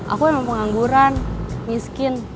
aku emang pengangguran miskin